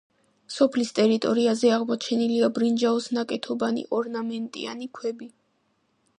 სოფლის ტერიტორიაზე აღმოჩენილია ბრინჯაოს ნაკეთობანი, ორნამენტიანი ქვები.